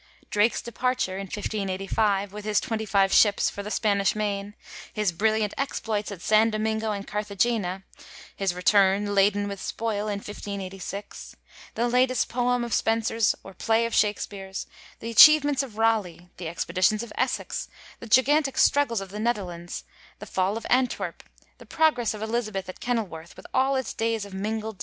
Drake's departure, in 1585, with his twenty five ships for the Spanish main ; his brilliant exploits at San Domingo and Oarthagena; his return, laden with spoil, in 15S6 ; the latest poem of Spenser's or play of Shakspere's, the achievements of Raleigh, the expeditions of Essex, the gigantic struggle of the Netherlands, the fall of Antwerp, the progress of Eliza beth at Kenilworth with all its days of mingled delights,^ 1 Ed.